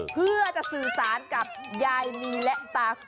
เพื่อจะสื่อสารกับยายนีและตา